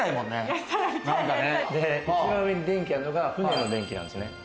で一番上に電気あるのが船の電気なんですね。